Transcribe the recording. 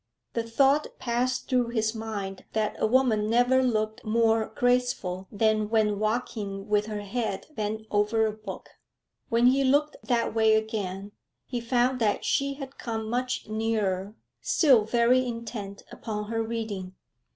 The thought passed through his mind that a woman never looked more graceful than when walking with her head bent over a book. When he looked that way again, he found that she had come much nearer, still very intent upon her reading.